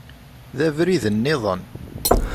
D arid-nniḍen.